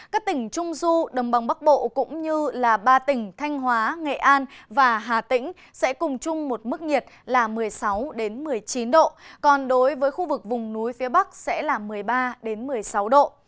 các tỉnh trung du đồng bằng bắc bộ cũng như ba tỉnh thanh hóa nghệ an và hà tĩnh sẽ cùng chung một mức nhiệt là một mươi sáu một mươi chín độ còn đối với khu vực vùng núi phía bắc sẽ là một mươi ba một mươi sáu độ